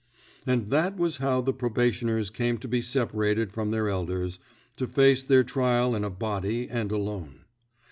And that was how the probationers came to be separated from their elders, to face their trial in a body and alone.